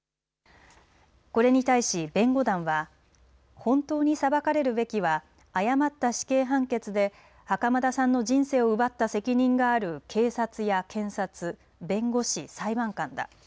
これに対し、弁護団は本当に裁かれるべきは誤った死刑判決で袴田さんの人生を奪った責任がある警察や検察、弁護士、裁判官だ。